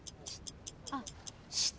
あっ。